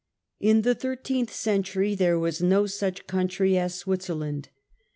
In the thirteenth century there was no such country as Switzerland.